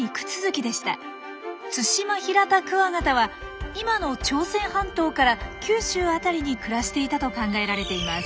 ツシマヒラタクワガタは今の朝鮮半島から九州辺りに暮らしていたと考えられています。